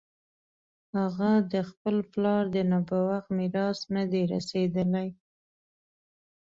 هغه د خپل پلار د نبوغ میراث نه دی رسېدلی.